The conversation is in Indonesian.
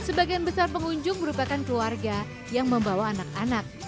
sebagian besar pengunjung merupakan keluarga yang membawa anak anak